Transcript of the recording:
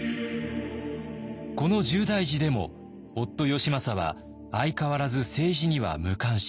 この重大時でも夫義政は相変わらず政治には無関心。